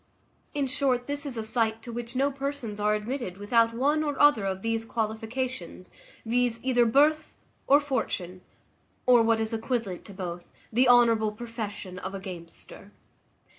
In short, this is a sight to which no persons are admitted without one or other of these qualifications, viz., either birth or fortune, or, what is equivalent to both, the honourable profession of a gamester.